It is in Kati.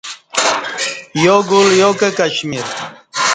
یوگل یوکہ کشمیر